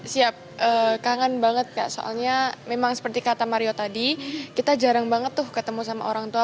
siap kangen banget kak soalnya memang seperti kata mario tadi kita jarang banget tuh ketemu sama orang tua